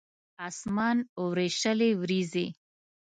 اسمان وریشلې وریځې